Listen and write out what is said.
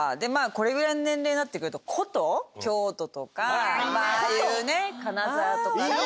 これぐらいの年齢になってくると、古都、京都とか、ああいうね、金沢とかね。